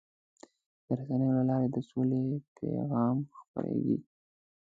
د رسنیو له لارې د سولې پیغام خپرېږي.